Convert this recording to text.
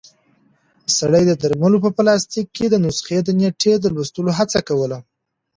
سړی د درملو په پلاستیک کې د نسخې د نیټې د لوستلو هڅه کوله.